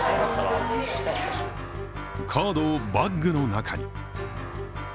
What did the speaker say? カードをバッグの中に。